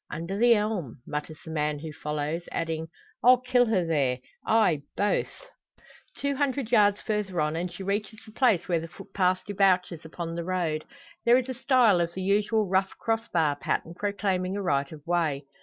"Under the elm," mutters the man who follows, adding, "I'll kill her there ay, both!" Two hundred yards further on, and she reaches the place where the footpath debouches upon the road. There is a stile of the usual rough crossbar pattern, proclaiming a right of way.